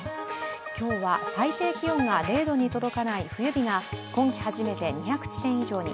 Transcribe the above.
今日は最低気温が０度に届かない冬日が今季初めて２００地点以上に。